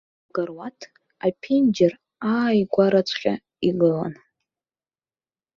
Лкаруаҭ аԥенџьыр ааигәараҵәҟьа игылан.